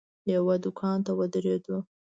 یوه دوکان ته ودرېدو.